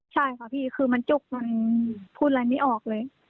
ใช่ค่ะพี่คือมันจุกมันพูดอะไรไม่ออกเลย